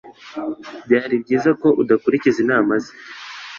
Byari byiza ko udakurikiza inama ze.